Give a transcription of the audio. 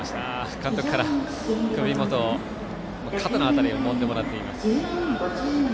監督から首元、肩の辺りをもんでもらっています。